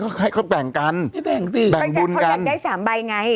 ก็ให้เขาแบ่งกันไม่แบ่งสิแบ่งบุญกันเพราะยังได้๓ใบไง